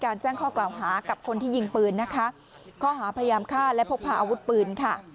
์ข้อหาพยายามฆ่าและพกพาอาวุธปืน